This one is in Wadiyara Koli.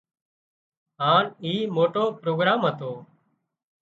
هانَ اِي موٽو پروگرام هتو